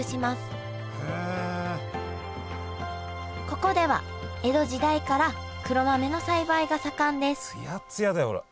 ここでは江戸時代から黒豆の栽培が盛んですツヤツヤだよほら。